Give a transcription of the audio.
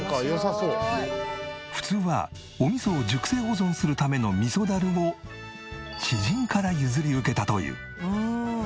普通はお味噌を熟成保存するための味噌だるを知人から譲り受けたという。